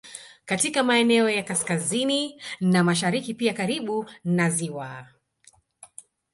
Katika maeneo ya kaskazini na mashariki pia karibu na ziwa